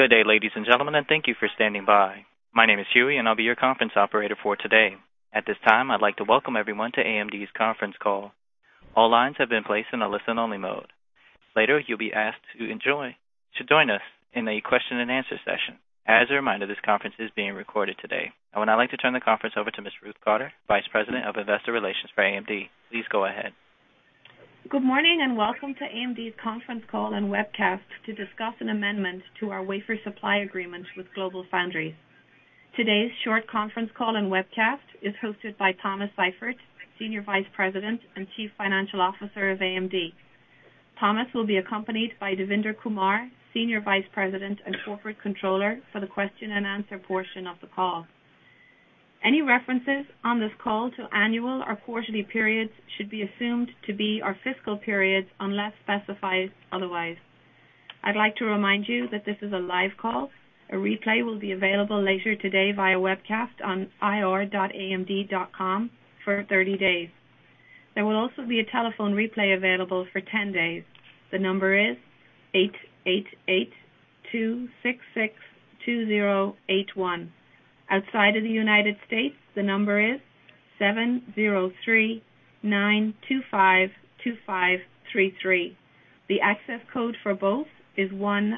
Good day, ladies and gentlemen, and thank you for standing by. My name is Huey, and I'll be your conference operator for today. At this time, I'd like to welcome everyone to AMD's Conference Call. All lines have been placed in a listen-only mode. Later, you'll be asked to join us in a question-and-answer session. As a reminder, this conference is being recorded today. I would now like to turn the conference over to Ms. Ruth Cotter, Vice President of Investor Relations for AMD. Please go ahead. Good morning and welcome to AMD's conference call and webcast to discuss an amendment to our wafer supply agreement with GlobalFoundries. Today's short conference call and webcast is hosted by Thomas Seifert, Senior Vice President and Chief Financial Officer of AMD. Thomas will be accompanied by Devinder Kumar, Senior Vice President and Corporate Controller for the question-and-answer portion of the call. Any references on this call to annual or quarterly periods should be assumed to be our fiscal periods unless specified otherwise. I'd like to remind you that this is a live call. A replay will be available later today via webcast on ir.amd.com for 30 days. There will also be a telephone replay available for 10 days. The number is 888-266-2081. Outside of the United States, the number is 703-925-2533. The access code for both is 1570740.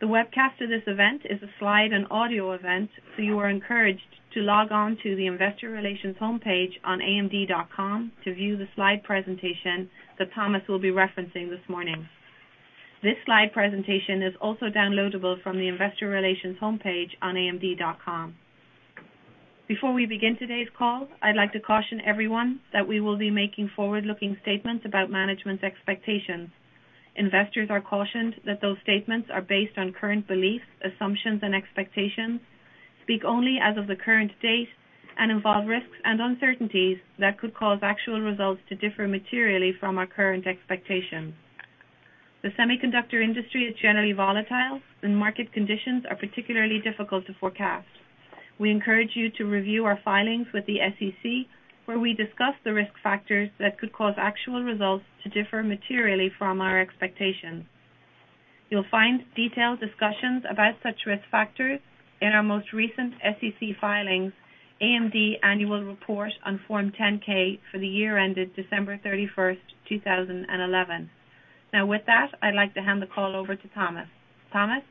The webcast of this event is a slide and audio event, so you are encouraged to log on to the Investor Relations homepage on amd.com to view the slide presentation that Thomas will be referencing this morning. This slide presentation is also downloadable from the Investor Relations homepage on amd.com. Before we begin today's call, I'd like to caution everyone that we will be making forward-looking statements about management's expectations. Investors are cautioned that those statements are based on current beliefs, assumptions, and expectations, speak only as of the current date, and involve risks and uncertainties that could cause actual results to differ materially from our current expectations. The semiconductor industry is generally volatile, and market conditions are particularly difficult to forecast. We encourage you to review our filings with the SEC, where we discuss the risk factors that could cause actual results to differ materially from our expectations. You'll find detailed discussions about such risk factors in our most recent SEC filings, AMD's annual report on Form 10-K for the year ended December 31, 2011. Now, with that, I'd like to hand the call over to Thomas. Thomas?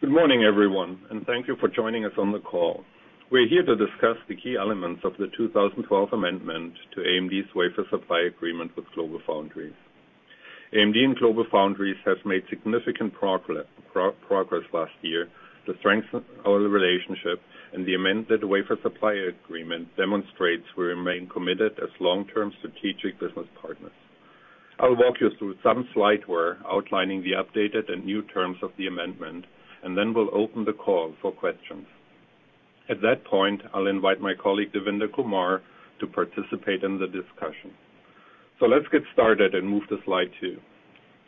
Good morning, everyone, and thank you for joining us on the call. We're here to discuss the key elements of the 2012 amendment to AMD's wafer supply agreement with GlobalFoundries. AMD and GlobalFoundries have made significant progress last year to strengthen our relationship, and the amendment to the wafer supply agreement demonstrates we remain committed as long-term strategic business partners. I'll walk you through some slides outlining the updated and new terms of the amendment, and then we'll open the call for questions. At that point, I'll invite my colleague Devinder Kumar to participate in the discussion. Let's get started and move to slide two.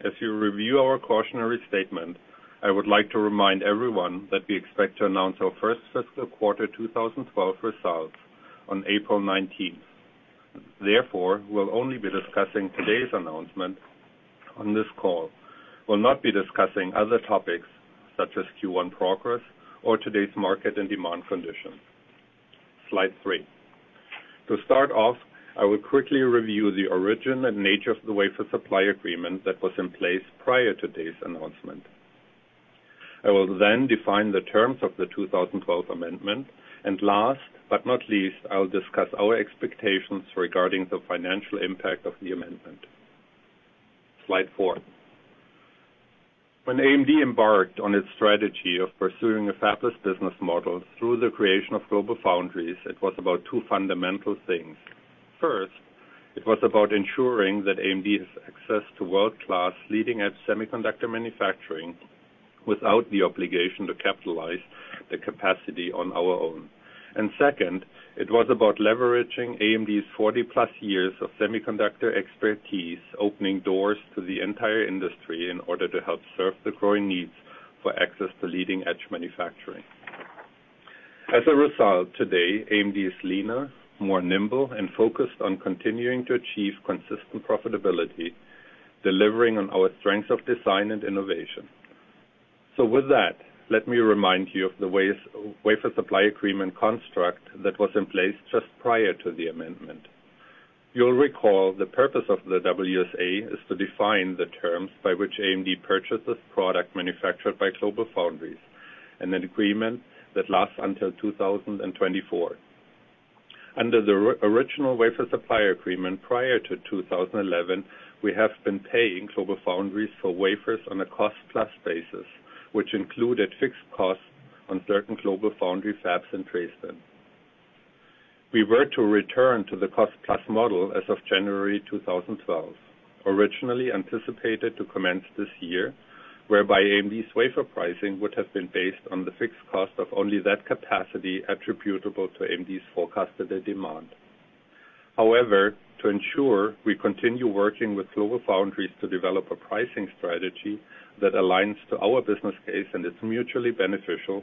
As you review our cautionary statement, I would like to remind everyone that we expect to announce our first fiscal quarter 2012 results on April 19. Therefore, we'll only be discussing today's announcement on this call. We'll not be discussing other topics such as Q1 progress or today's market and demand conditions. Slide three. To start off, I will quickly review the origin and nature of the wafer supply agreement that was in place prior to today's announcement. I will then define the terms of the 2012 amendment, and last but not least, I'll discuss our expectations regarding the financial impact of the amendment. Slide four. When AMD embarked on its strategy of pursuing a fabless business model through the creation of GlobalFoundries, it was about two fundamental things. First, it was about ensuring that AMD has access to world-class leading-edge semiconductor manufacturing without the obligation to capitalize the capacity on our own. Second, it was about leveraging AMD's 40+ years of semiconductor expertise, opening doors to the entire industry in order to help serve the growing needs for access to leading-edge manufacturing. As a result, today, AMD is leaner, more nimble, and focused on continuing to achieve consistent profitability, delivering on our strengths of design and innovation. Let me remind you of the wafer supply agreement construct that was in place just prior to the amendment. You'll recall the purpose of the WSA is to define the terms by which AMD purchases products manufactured by GlobalFoundries, an agreement that lasts until 2024. Under the original wafer supply agreement prior to 2011, we have been paying GlobalFoundries for wafers on a cost-plus basis, which included fixed costs on certain GlobalFoundries fabs and trace thin. We were to return to the cost-plus model as of January 2012, originally anticipated to commence this year, whereby AMD's wafer pricing would have been based on the fixed cost of only that capacity attributable to AMD's forecasted demand. However, to ensure we continue working with GlobalFoundries to develop a pricing strategy that aligns to our business case and is mutually beneficial,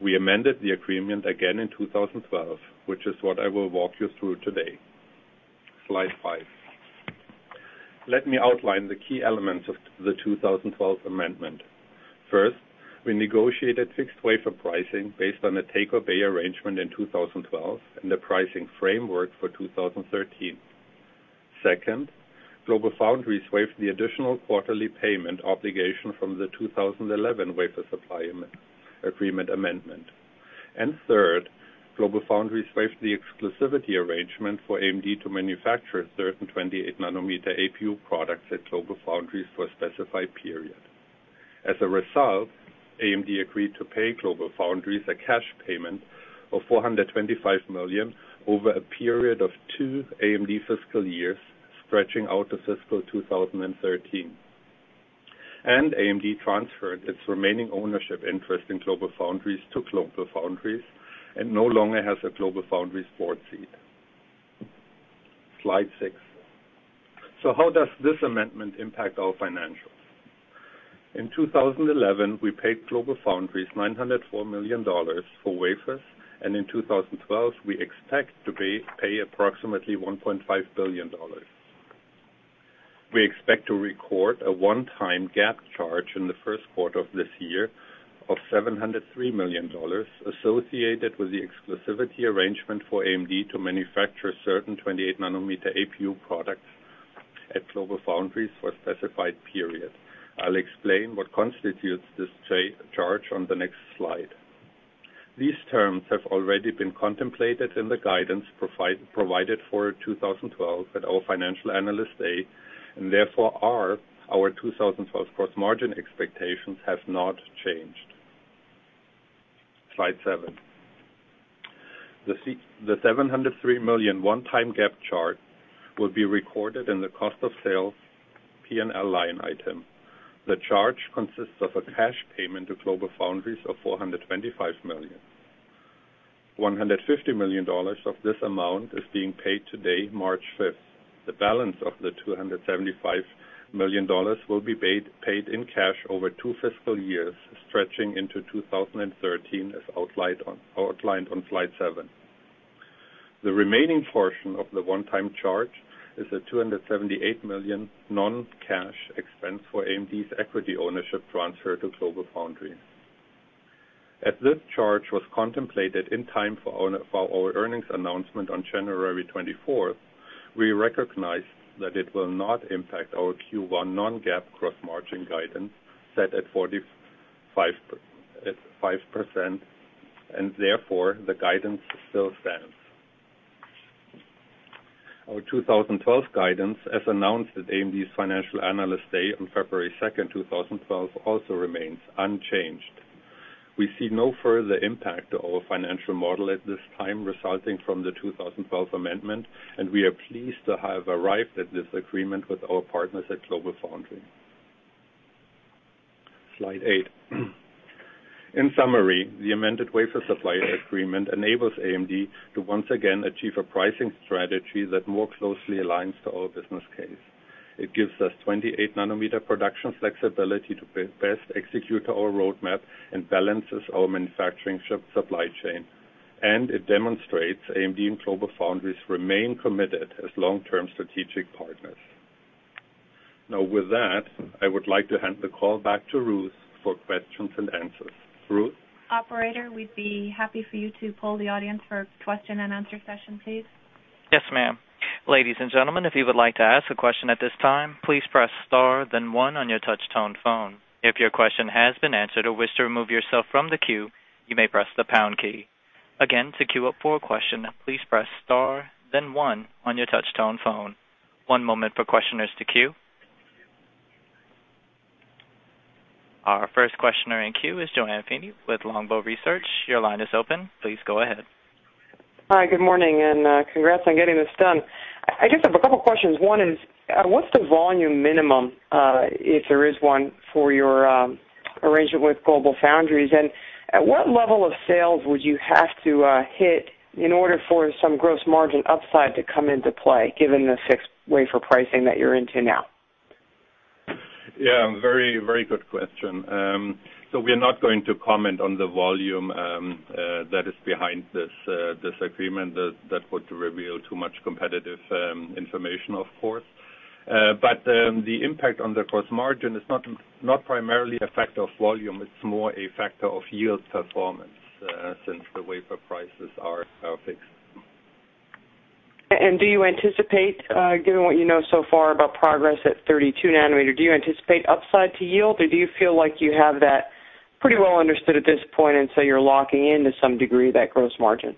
we amended the agreement again in 2012, which is what I will walk you through today. Slide five. Let me outline the key elements of the 2012 amendment. First, we negotiated fixed wafer pricing based on a take-away arrangement in 2012 and the pricing framework for 2013. Second, GlobalFoundries waived the additional quarterly payment obligation from the 2011 wafer supply agreement amendment. Third, GlobalFoundries waived the exclusivity arrangement for AMD to manufacture certain 28 nm APU products at GlobalFoundries for a specified period. As a result, AMD agreed to pay GlobalFoundries a cash payment of $425 million over a period of two AMD fiscal years, stretching out to fiscal 2013. AMD transferred its remaining ownership interest in GlobalFoundries to GlobalFoundries and no longer has a GlobalFoundries board seat. Slide six. How does this amendment impact our financials? In 2011, we paid GlobalFoundries $904 million for wafers, and in 2012, we expect to pay approximately $1.5 billion. We expect to record a one-time GAAP charge in the first quarter of this year of $703 million associated with the exclusivity arrangement for AMD to manufacture certain 28 nm APU products at GlobalFoundries for a specified period. I'll explain what constitutes this charge on the next slide. These terms have already been contemplated in the guidance provided for 2012 at our Financial Analyst Day, and therefore our 2012 gross margin expectations have not changed. Slide seven. The $703 million one-time GAAP charge will be recorded in the cost of sale P&L line item. The charge consists of a cash payment to GlobalFoundries of $425 million. $150 million of this amount is being paid today, March 5. The balance of the $275 million will be paid in cash over two fiscal years, stretching into 2013 as outlined on slide seven. The remaining portion of the one-time charge is a $278 million non-cash expense for AMD's equity ownership transfer to GlobalFoundries. As this charge was contemplated in time for our earnings announcement on January 24, we recognized that it will not impact our Q1 non-GAAP gross margin guidance set at 45%, and therefore the guidance still stands. Our 2012 guidance, as announced at AMD's Financial Analyst Day on February 2, 2012, also remains unchanged. We see no further impact to our financial model at this time resulting from the 2012 amendment, and we are pleased to have arrived at this agreement with our partners at GlobalFoundries. Slide eight. In summary, the amended wafer supply agreement enables AMD to once again achieve a pricing strategy that more closely aligns to our business case. It gives us 28 nm production flexibility to best execute our roadmap and balances our manufacturing supply chain. It demonstrates AMD and GlobalFoundries remain committed as long-term strategic partners. Now, with that, I would like to hand the call back to Ruth for questions and answers. Ruth? Operator, we'd be happy for you to poll the audience for a question-and-answer session, please. Yes, ma'am. Ladies and gentlemen, if you would like to ask a question at this time, please press star, then one on your touch-tone phone. If your question has been answered or wish to remove yourself from the queue, you may press the pound key. Again, to queue up for a question, please press star, then one on your touch-tone phone. One moment for questioners to queue. Our first questioner in queue is JoAnne Feeney with Longbow Research. Your line is open. Please go ahead. Hi, good morning, and congrats on getting this done. I just have a couple of questions. One is, what's the volume minimum, if there is one, for your arrangement with GlobalFoundries? At what level of sales would you have to hit in order for some gross margin upside to come into play, given the fixed wafer pricing that you're into now? Very, very good question. We are not going to comment on the volume that is behind this agreement. That would reveal too much competitive information, of course. The impact on the gross margin is not primarily a factor of volume. It's more a factor of yield performance since the wafer prices are fixed. Given what you know so far about progress at 32 nm, do you anticipate upside to yield, or do you feel like you have that pretty well understood at this point and so you're locking in to some degree that gross margin?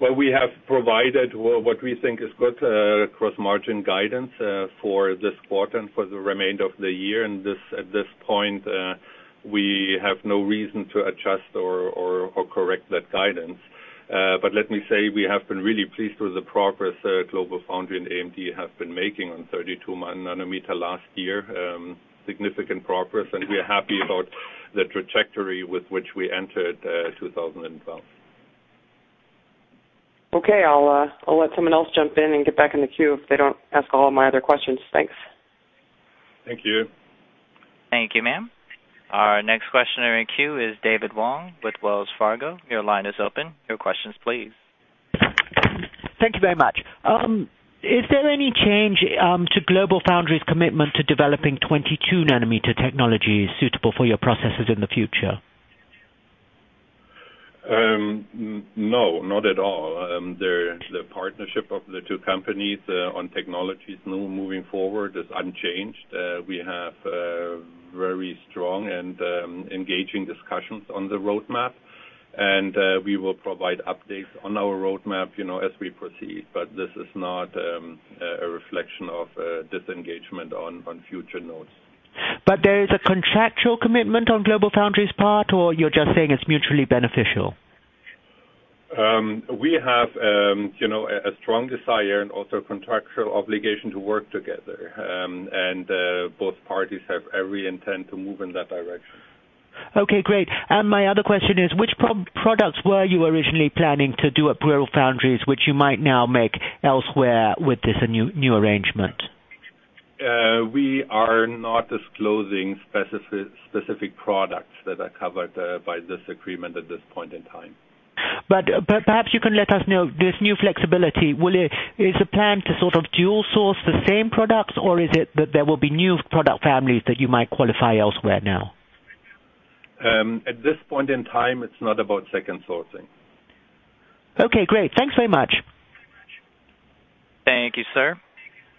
We have provided what we think is good gross margin guidance for this quarter and for the remainder of the year. At this point, we have no reason to adjust or correct that guidance. Let me say we have been really pleased with the progress GlobalFoundries and AMD have been making on 32 nm last year, significant progress, and we are happy about the trajectory with which we entered 2012. Okay, I'll let someone else jump in and get back in the queue if they don't ask all of my other questions. Thanks. Thank you. Thank you, ma'am. Our next questioner in queue is David Wong with Wells Fargo. Your line is open. Your questions, please. Thank you very much. Is there any change to GlobalFoundries' commitment to developing 22 nm technologies suitable for your processes in the future? No, not at all. The partnership of the two companies on technologies moving forward is unchanged. We have very strong and engaging discussions on the roadmap, and we will provide updates on our roadmap as we proceed. This is not a reflection of disengagement on future notes. Is there a contractual commitment on GlobalFoundries' part, or are you just saying it's mutually beneficial? We have a strong desire and also a contractual obligation to work together. Both parties have every intent to move in that direction. Okay, great. My other question is, which products were you originally planning to do at GlobalFoundries, which you might now make elsewhere with this new arrangement? We are not disclosing specific products that are covered by this agreement at this point in time. Perhaps you can let us know this new flexibility. Is the plan to sort of dual-source the same products, or is it that there will be new product families that you might qualify elsewhere now? At this point in time, it's not about second sourcing. Okay, great. Thanks very much. Thank you, sir.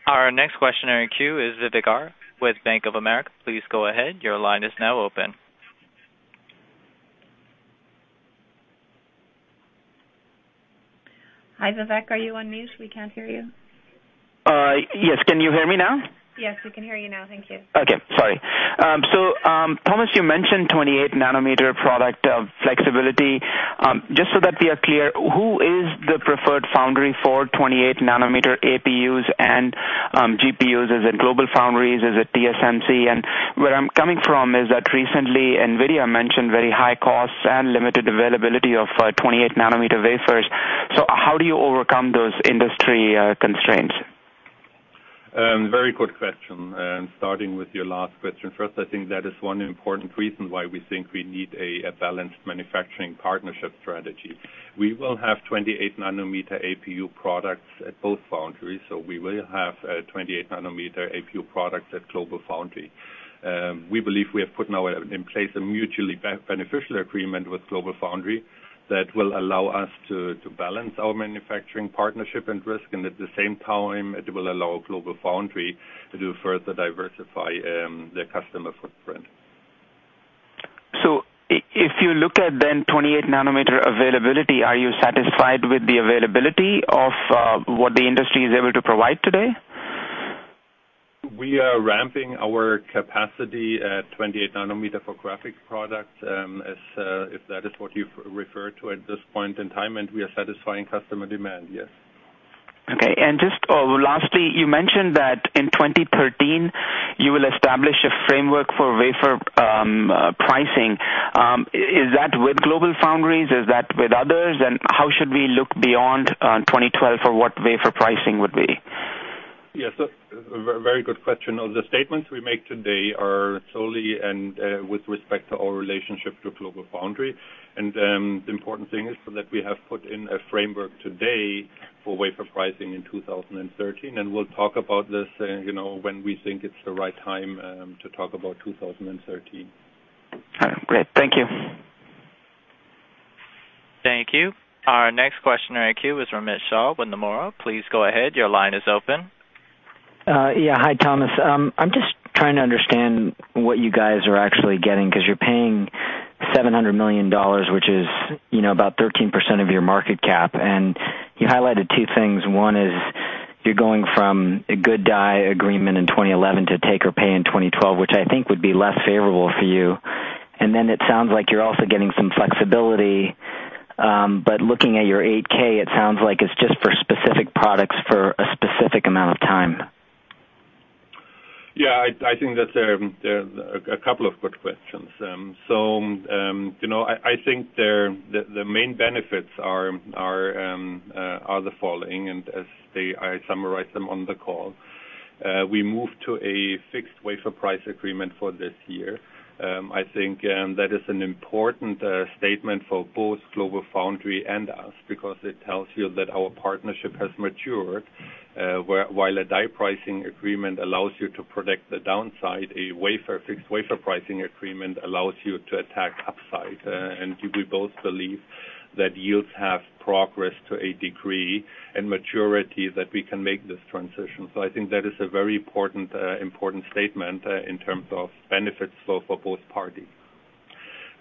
Our next questioner in queue is Vivek Arya with Bank of America. Please go ahead. Your line is now open. Hi, Vivek. Are you on mute? We can't hear you. Yes, can you hear me now? Yes, we can hear you now. Thank you. Okay, sorry. Thomas, you mentioned 28 nm product flexibility. Just so that we are clear, who is the preferred foundry for 28 nm APUs and GPUs? Is it GlobalFoundries? Is it TSMC? Where I'm coming from is that recently NVIDIA mentioned very high costs and limited availability of 28 nm wafers. How do you overcome those industry constraints? Very good question. Starting with your last question first, I think that is one important reason why we think we need a balanced manufacturing partnership strategy. We will have 28 nm APU products at both foundries, so we will have 28 nm APU products at GlobalFoundries. We believe we have put in place a mutually beneficial agreement with GlobalFoundries that will allow us to balance our manufacturing partnership and risk. At the same time, it will allow GlobalFoundries to further diversify their customer footprint. If you look at the 28 nm availability, are you satisfied with the availability of what the industry is able to provide today? We are ramping our capacity at 28 nm for graphic products, if that is what you refer to at this point in time, and we are satisfying customer demand here. Okay. Just lastly, you mentioned that in 2013 you will establish a framework for wafer pricing. Is that with GlobalFoundries? Is that with others? How should we look beyond 2012 for what wafer pricing would be? Yes, very good question. The statements we make today are solely with respect to our relationship to GlobalFoundries. The important thing is that we have put in a framework today for wafer pricing in 2013, and we'll talk about this when we think it's the right time to talk about 2013. Great. Thank you. Thank you. Our next questioner in queue is Romit Shah of Nomura. Please go ahead. Your line is open. Yeah, hi, Thomas. I'm just trying to understand what you guys are actually getting because you're paying $700 million, which is about 13% of your market cap. You highlighted two things. One is you're going from a good-bye agreement in 2011 to take or pay in 2012, which I think would be less favorable for you. It sounds like you're also getting some flexibility. Looking at your 8-K, it sounds like it's just for specific products for a specific amount of time. Yeah, I think that there are a couple of good questions. I think the main benefits are the following, and as I summarized them on the call. We moved to a fixed wafer price agreement for this year. I think that is an important statement for both GlobalFoundries and us because it tells you that our partnership has matured. While a die pricing agreement allows you to protect the downside, a fixed wafer pricing agreement allows you to attack upside. We both believe that yields have progressed to a degree and maturity that we can make this transition. I think that is a very important statement in terms of benefits for both parties.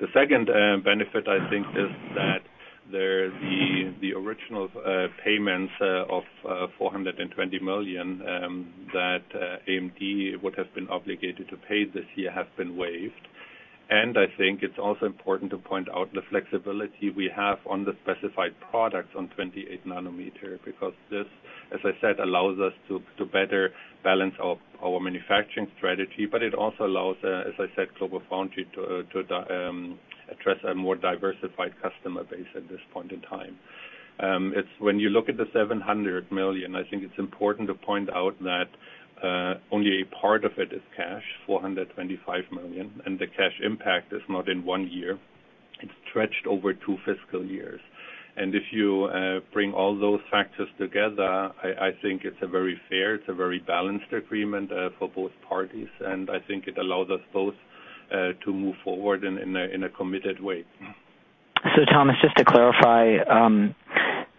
The second benefit, I think, is that the original payments of $420 million that AMD would have been obligated to pay this year have been waived. I think it's also important to point out the flexibility we have on the specified products on 28 nm because this, as I said, allows us to better balance our manufacturing strategy. It also allows, as I said, GlobalFoundries to address a more diversified customer base at this point in time. When you look at the $700 million, I think it's important to point out that only a part of it is cash, $425 million. The cash impact is not in one year. It's stretched over two fiscal years. If you bring all those factors together, I think it's a very fair, very balanced agreement for both parties. I think it allows us both to move forward in a committed way. Thomas, just to clarify,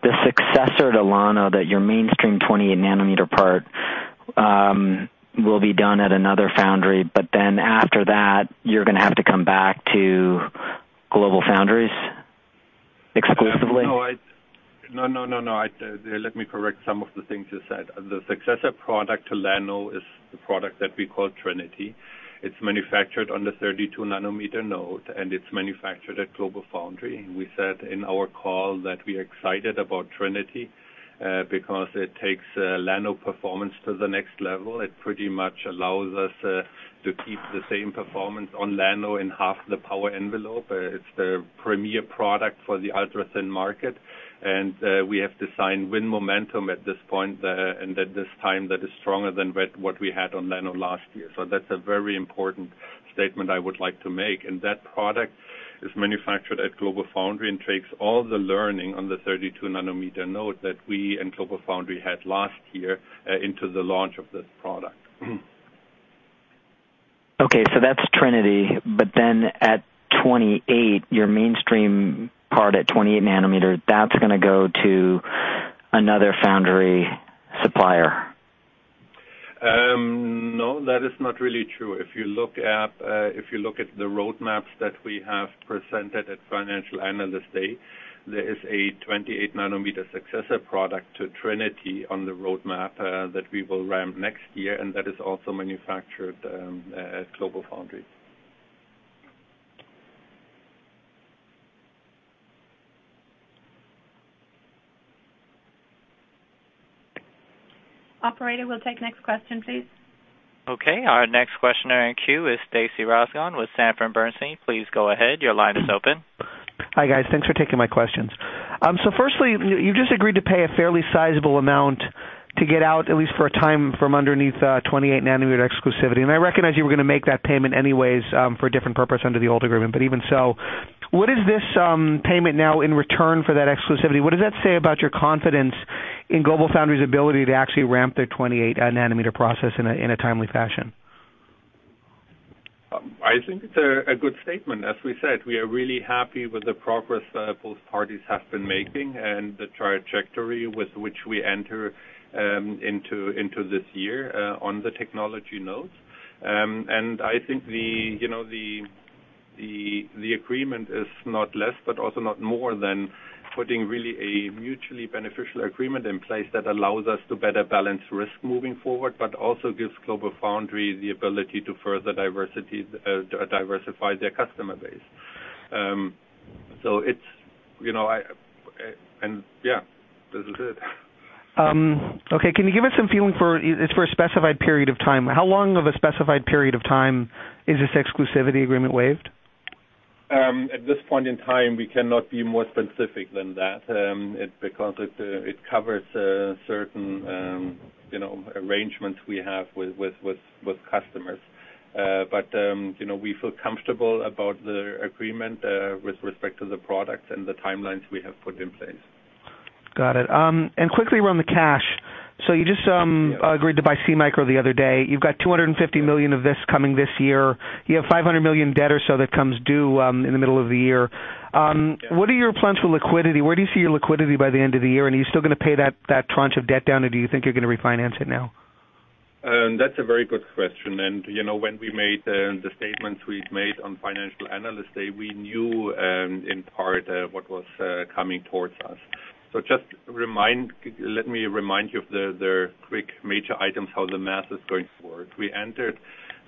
the successor to Llano, that your mainstream 28 nm part will be done at another foundry, but then after that, you're going to have to come back to GlobalFoundries exclusively? Let me correct some of the things you said. The successor product to Llano is the product that we call Trinity. It's manufactured on the 32 nm node, and it's manufactured at GlobalFoundries. We said in our call that we are excited about Trinity because it takes Llano performance to the next level. It pretty much allows us to keep the same performance on Llano in half the power envelope. It's the premier product for the ultra-thin market. We have designed wind momentum at this point and at this time that is stronger than what we had on Llano last year. That's a very important statement I would like to make. That product is manufactured at GlobalFoundries and takes all the learning on the 32 nm node that we and GlobalFoundries had last year into the launch of this product. Okay, so that's Trinity. At 28 nm, your mainstream part at 28 nm, that's going to go to another foundry supplier? No, that is not really true. If you look at the roadmaps that we have presented at Financial Analyst Day, there is a 28 nm successor product to Trinity on the roadmap that we will ramp next year, and that is also manufactured at GlobalFoundries. Operator, we'll take next question, please. Okay, our next questioner in queue is Stacy Rasgon with Sanford Bernstein. Please go ahead. Your line is open. Hi guys, thanks for taking my questions. Firstly, you've just agreed to pay a fairly sizable amount to get out, at least for a time, from underneath 28 nm exclusivity. I recognize you were going to make that payment anyway for a different purpose under the old agreement. Even so, what is this payment now in return for that exclusivity? What does that say about your confidence in GlobalFoundries' ability to actually ramp their 28 nm process in a timely fashion? I think it's a good statement. As we said, we are really happy with the progress both parties have been making and the trajectory with which we enter into this year on the technology nodes. I think the agreement is not less, but also not more than putting really a mutually beneficial agreement in place that allows us to better balance risk moving forward, but also gives GlobalFoundries the ability to further diversify their customer base. This is it. Okay, can you give us a feeling for a specified period of time? How long of a specified period of time is this exclusivity agreement waived? At this point in time, we cannot be more specific than that because it covers certain arrangements we have with customers. We feel comfortable about the agreement with respect to the products and the timelines we have put in place. Got it. Quickly around the cash, you just agreed to buy SeaMicro the other day. You've got $250 million of this coming this year. You have $500 million debt or so that comes due in the middle of the year. What are your plans for liquidity? Where do you see your liquidity by the end of the year? Are you still going to pay that tranche of debt down, or do you think you're going to refinance it now? That's a very good question. You know, when we made the statements we'd made on Financial Analyst Day, we knew in part what was coming towards us. Just let me remind you of the quick major items, how the math is going forward. We entered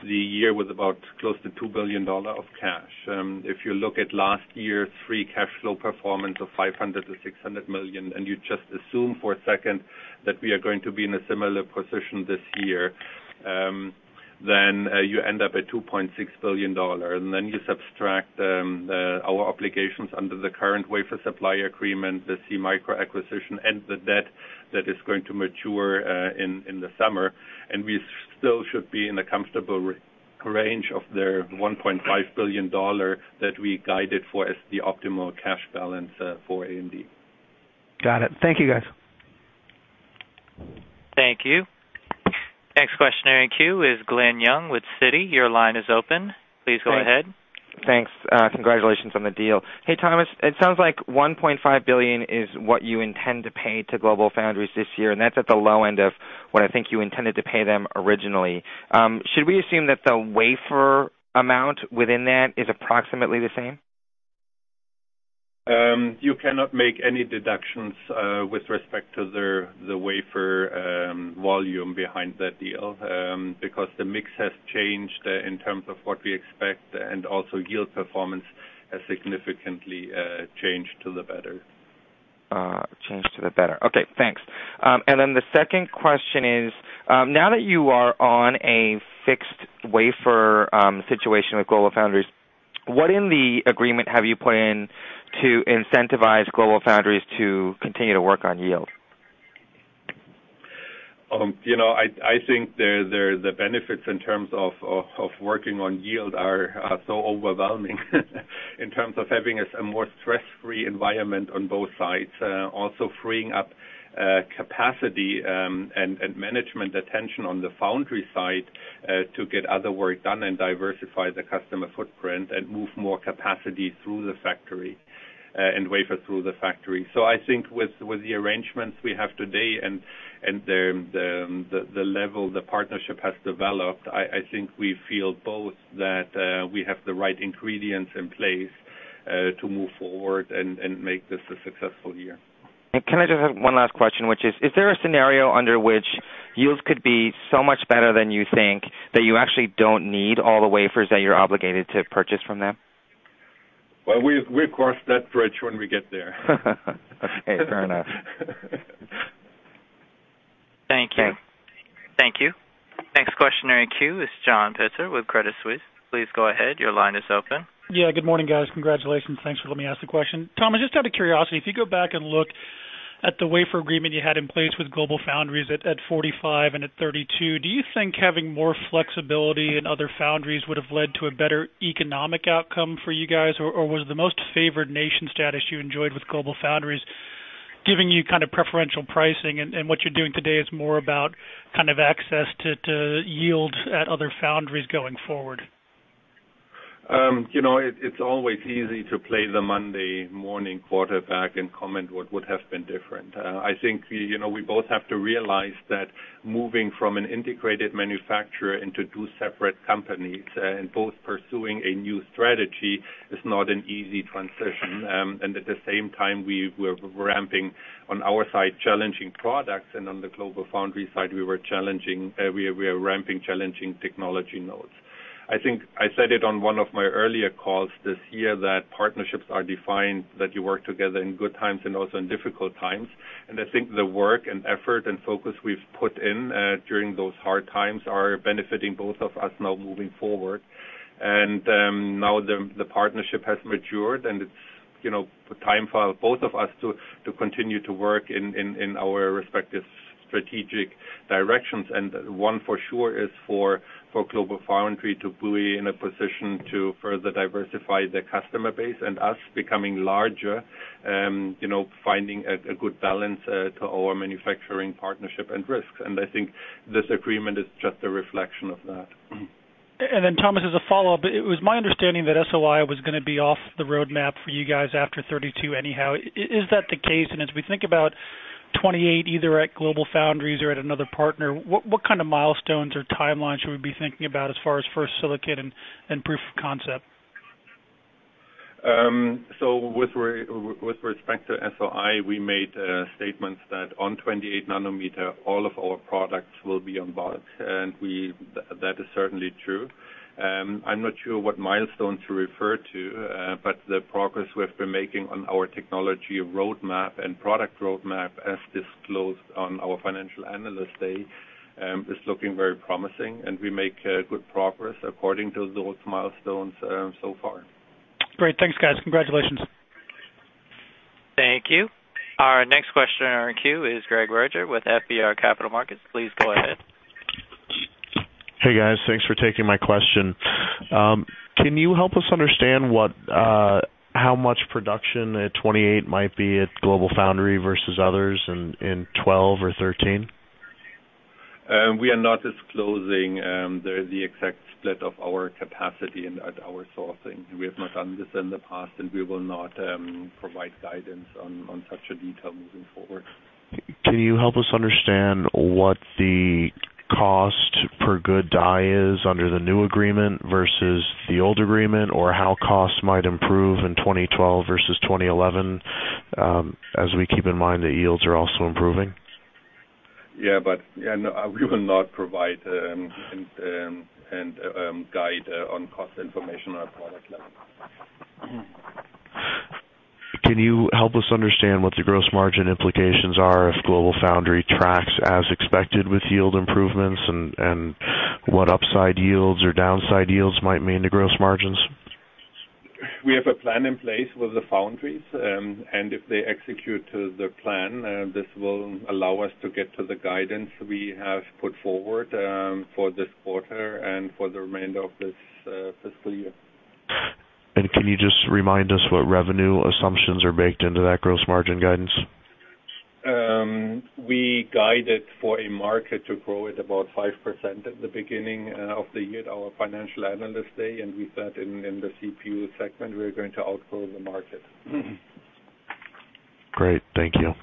the year with about close to $2 billion of cash. If you look at last year's free cash flow performance of $500 million-$600 million, and you just assume for a second that we are going to be in a similar position this year, you end up at $2.6 billion. You subtract our obligations under the current wafer supply agreement, the SeaMicro acquisition, and the debt that is going to mature in the summer. We still should be in a comfortable range of the $1.5 billion that we guided for as the optimal cash balance for AMD. Got it. Thank you, guys. Thank you. Next questioner in queue is Glen Yeung with Citi. Your line is open. Please go ahead. Thanks. Congratulations on the deal. Hey Thomas, it sounds like $1.5 billion is what you intend to pay to GlobalFoundries this year, and that's at the low end of what I think you intended to pay them originally. Should we assume that the wafer amount within that is approximately the same? You cannot make any deductions with respect to the wafer volume behind that deal because the mix has changed in terms of what we expect, and also yield performance has significantly changed to the better. Changed to the better. Okay, thanks. The second question is, now that you are on a fixed wafer situation with GlobalFoundries, what in the agreement have you put in to incentivize GlobalFoundries to continue to work on yield? I think the benefits in terms of working on yield are so overwhelming in terms of having a more stress-free environment on both sides, also freeing up capacity and management attention on the foundry side to get other work done and diversify the customer footprint and move more capacity through the factory and wafer through the factory. I think with the arrangements we have today and the level the partnership has developed, I think we feel both that we have the right ingredients in place to move forward and make this a successful year. Can I just have one last question, which is, is there a scenario under which yields could be so much better than you think that you actually don't need all the wafers that you're obligated to purchase from them? We've crossed that bridge when we get there. Okay, fair enough. Thank you. Next questioner in queue is John Pitzer with Credit Suisse. Please go ahead. Your line is open. Good morning, guys. Congratulations. Thanks for letting me ask the question. Thomas, just out of curiosity, if you go back and look at the wafer supply agreement you had in place with GlobalFoundries at 45 nm and at 32 nm, do you think having more flexibility in other foundries would have led to a better economic outcome for you guys, or was the most favored nation status you enjoyed with GlobalFoundries giving you kind of preferential pricing? What you're doing today is more about kind of access to yield at other foundries going forward. You know, it's always easy to play the Monday morning quarterback and comment what would have been different. I think we both have to realize that moving from an integrated manufacturer into two separate companies and both pursuing a new strategy is not an easy transition. At the same time, we were ramping on our side challenging products, and on the GlobalFoundries side, we were ramping challenging technology nodes. I think I said it on one of my earlier calls this year that partnerships are defined that you work together in good times and also in difficult times. I think the work and effort and focus we've put in during those hard times are benefiting both of us now moving forward. Now the partnership has matured, and it's time for both of us to continue to work in our respective strategic directions. One for sure is for GlobalFoundries to be in a position to further diversify their customer base and us becoming larger and finding a good balance to our manufacturing partnership and risks. I think this agreement is just a reflection of that. Thomas, as a follow-up, it was my understanding that SOI was going to be off the roadmap for you guys after 32 nm anyhow. Is that the case? As we think about 28 nm either at GlobalFoundries or at another partner, what kind of milestones or timelines should we be thinking about as far as first silicon and proof of concept? With respect to SOI, we made statements that on 28 nm, all of our products will be on bulk, and that is certainly true. I'm not sure what milestones you refer to, but the progress we've been making on our technology roadmap and product roadmap, as disclosed on our Financial Analyst Day, is looking very promising. We make good progress according to those milestones so far. Great, thanks guys. Congratulations. Thank you. Our next questioner in queue is Craig Berger with FBR Capital Markets. Please go ahead. Hey guys, thanks for taking my question. Can you help us understand how much production at 28 nm might be at GlobalFoundries versus others in 12 nm or 13 nm? We are not disclosing the exact split of our capacity and our sourcing. We have not done this in the past, and we will not provide guidance on such a detail moving forward. Can you help us understand what the cost per good die is under the new agreement versus the old agreement, or how costs might improve in 2012 versus 2011, as we keep in mind that yields are also improving? Yeah, we will not provide guidance on cost information or product level. Can you help us understand what the gross margin implications are if GlobalFoundries tracks as expected with yield improvements, and what upside yields or downside yields might mean to gross margins? We have a plan in place with the foundries, and if they execute the plan, this will allow us to get to the guidance we have put forward for this quarter and for the remainder of the year. Can you just remind us what revenue assumptions are baked into that gross margin guidance? We guided for a market to grow at about 5% at the beginning of the year at our Financial Analyst Day, and we thought in the CPU segment, we were going to outgrow the market. Great, thank you.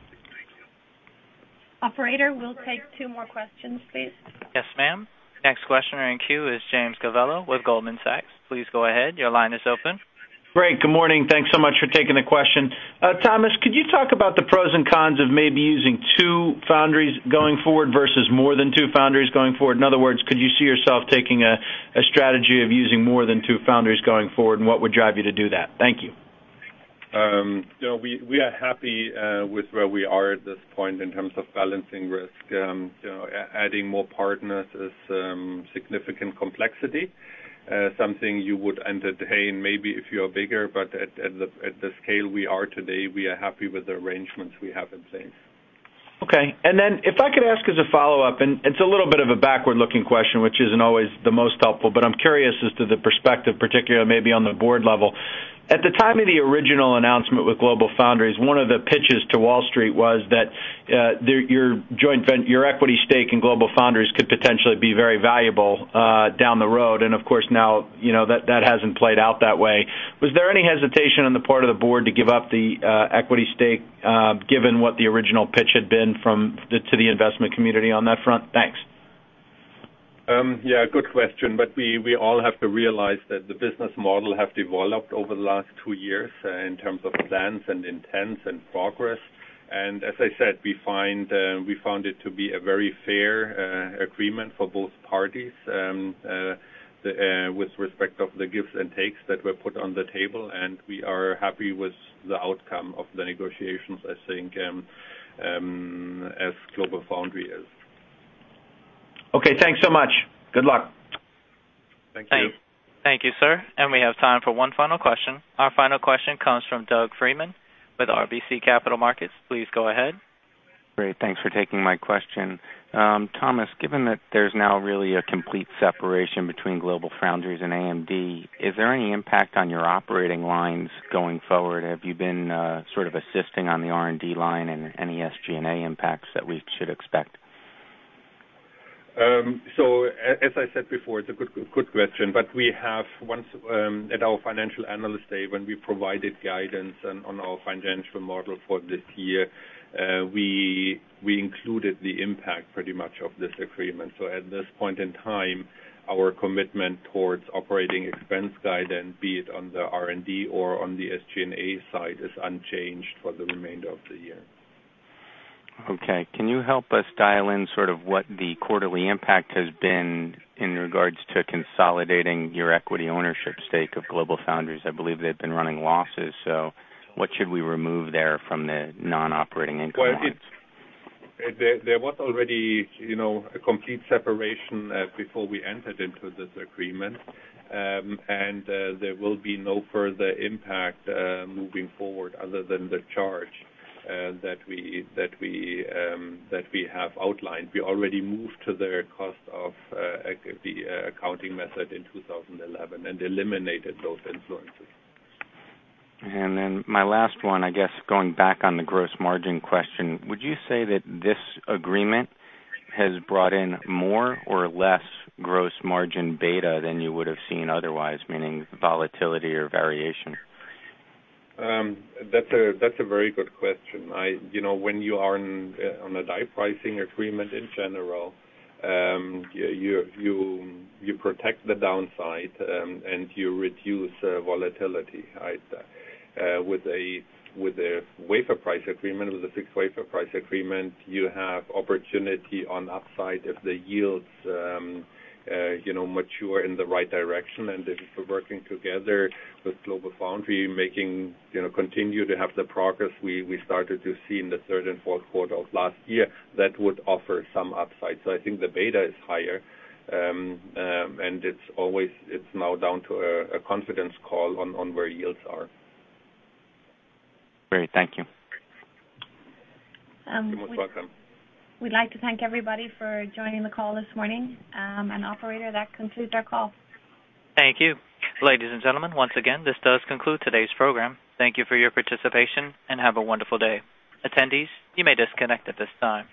Operator, we'll take two more questions, please. Yes, ma'am. Next questioner in queue is James Covello with Goldman Sachs. Please go ahead. Your line is open. Great, good morning. Thanks so much for taking the question. Thomas, could you talk about the pros and cons of maybe using two foundries going forward versus more than two foundries going forward? In other words, could you see yourself taking a strategy of using more than two foundries going forward, and what would drive you to do that? Thank you. We are happy with where we are at this point in terms of balancing risk. Adding more partners is a significant complexity, something you would entertain maybe if you are bigger, but at the scale we are today, we are happy with the arrangements we have in place. Okay, and then if I could ask as a follow-up, it's a little bit of a backward-looking question, which isn't always the most helpful, but I'm curious as to the perspective, particularly maybe on the board level. At the time of the original announcement with GlobalFoundries, one of the pitches to Wall Street was that your equity stake in GlobalFoundries could potentially be very valuable down the road. Of course, now that hasn't played out that way. Was there any hesitation on the part of the board to give up the equity stake given what the original pitch had been to the investment community on that front? Thanks. Good question, but we all have to realize that the business model has developed over the last two years in terms of plans and intents and progress. As I said, we found it to be a very fair agreement for both parties with respect to the gifts and takes that were put on the table, and we are happy with the outcome of the negotiations, I think, as GlobalFoundries is. Okay, thanks so much. Good luck. Thank you. Thank you, sir. We have time for one final question. Our final question comes from Doug Freedman with RBC Capital Markets. Please go ahead. Great, thanks for taking my question. Thomas, given that there's now really a complete separation between GlobalFoundries and AMD, is there any impact on your operating lines going forward? Have you been sort of assisting on the R&D line and any SG&A impacts that we should expect? As I said before, it's a good question. We have, once at our Financial Analyst Day, when we provided guidance on our financial model for this year, included the impact pretty much of this agreement. At this point in time, our commitment towards operating expense guidance, be it on the R&D or on the SG&A side, is unchanged for the remainder of the year. Okay, can you help us dial in sort of what the quarterly impact has been in regards to consolidating your equity ownership stake of GlobalFoundries? I believe they've been running losses. What should we remove there from the non-operating income? There was already a complete separation before we entered into this agreement, and there will be no further impact moving forward other than the charge that we have outlined. We already moved to the cost of the accounting method in 2011 and eliminated those influences. Going back on the gross margin question, would you say that this agreement has brought in more or less gross margin beta than you would have seen otherwise, meaning volatility or variation? That's a very good question. You know, when you are on a die pricing agreement in general, you protect the downside and you reduce volatility. With a wafer price agreement, with a fixed wafer price agreement, you have opportunity on upside if the yields mature in the right direction. If you're working together with GlobalFoundries, you continue to have the progress we started to see in the third and fourth quarter of last year, that would offer some upside. I think the beta is higher, and it's always, it's now down to a confidence call on where yields are. Great, thank you. You're most welcome. We'd like to thank everybody for joining the call this morning. Operator, that concludes our call. Thank you. Ladies and gentlemen, once again, this does conclude today's program. Thank you for your participation and have a wonderful day. Attendees, you may disconnect at this time.